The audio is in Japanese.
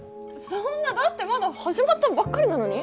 そんなだってまだ始まったばっかりなのに？